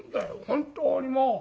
本当にもう。